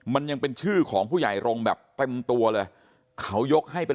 มันยังเป็นชื่อของผู้ใหญ่รงค์แบบเต็มตัวเลยเขายกให้เป็น